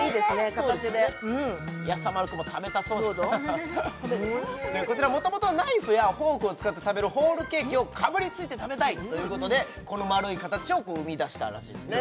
片手でやさ丸くんも食べたそうこちらもともとナイフやフォークを使って食べるホールケーキをかぶりついて食べたいということでこの丸い形を生み出したらしいですね